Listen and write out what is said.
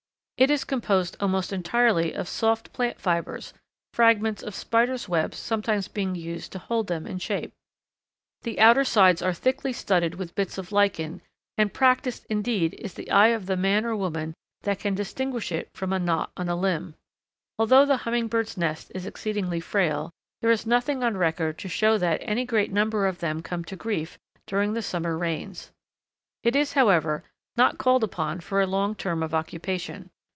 It is composed almost entirely of soft plant fibres, fragments of spiders' webs sometimes being used to hold them in shape. The outer sides are thickly studded with bits of lichen, and practised, indeed, is the eye of the man or woman that can distinguish it from a knot on a limb. Although the Hummingbird's nest is exceedingly frail, there is nothing on record to show that any great number of them come to grief during the summer rains. It is, however, not called upon for a long term of occupation.